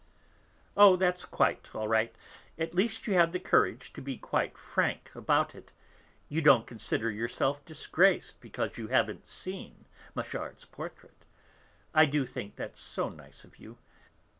"Oh, that's quite all right! At least you have the courage to be quite frank about it. You don't consider yourself disgraced because you haven't seen Machard's portrait. I do think that so nice of you.